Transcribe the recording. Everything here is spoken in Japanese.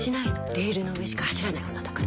レールの上しか走らない女だから。